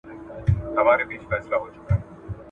سختي هڅي سوي.